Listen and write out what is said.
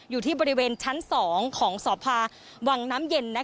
อยู่ที่บริเวณชั้น๒ของสภาวังน้ำเย็น